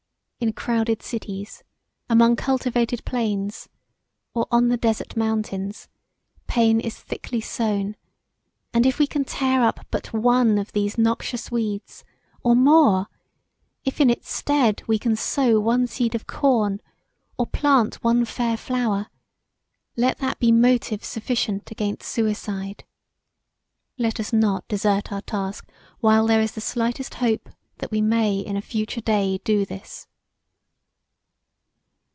In crowded cities, among cultivated plains, or on the desart mountains, pain is thickly sown, and if we can tear up but one of these noxious weeds, or more, if in its stead we can sow one seed of corn, or plant one fair flower, let that be motive sufficient against suicide. Let us not desert our task while there is the slightest hope that we may in a future day do this.